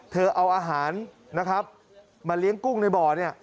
เธอเอาอาหารมาเลี้ยงกุ้งในบ่อ